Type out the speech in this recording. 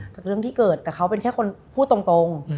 จากเรื่องที่เกิดแต่เขาเป็นแค่คนพูดตรง